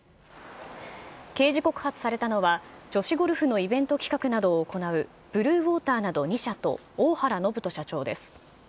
刑事告発されたのは、女子ゴルフのイベント企画などを行う、ＢｌｕｅＷａｔｅｒなど２社と、大原信人社長です。